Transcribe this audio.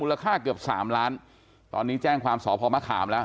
ราคาเกือบสามล้านตอนนี้แจ้งความสพมะขามแล้ว